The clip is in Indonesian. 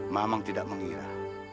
mamang tidak mengira